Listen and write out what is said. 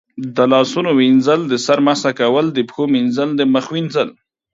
د لاسونو وینځل، د سر مسح کول، د پښو مینځل، د مخ وینځل